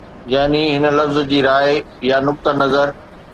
يعني هن لفظ جي راءِ يا نقطه نظر